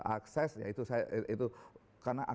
access ya itu saya itu karena access di sini luar biasa